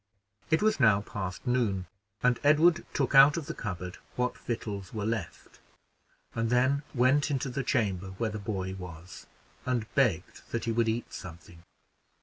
It was now past noon, and Edward took out of the cupboard what victuals were left, and then went into the chamber where the boy was, and begged that he would eat something.